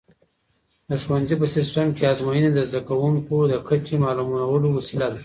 د ښوونځي په سیسټم کې ازموینې د زده کوونکو د کچې معلومولو وسیله ده.